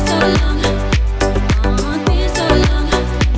dan tidak ada gunanya bang